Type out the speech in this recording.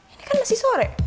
ini kan masih sore